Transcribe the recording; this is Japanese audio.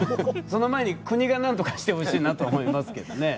その前に、国がなんとかしてほしいなと思いますけどね。